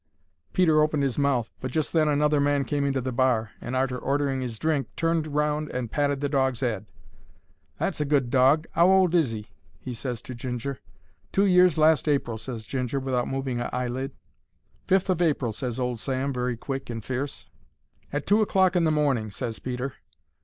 Peter opened 'is mouth, but just then another man came into the bar, and, arter ordering 'is drink, turned round and patted the dog's 'ead. "That's a good dog; 'ow old is he?" he ses to Ginger. "Two years last April," ses Ginger, without moving a eyelid. "Fifth of April," ses old Sam, very quick and fierce. "At two o'clock in the morning," ses Peter.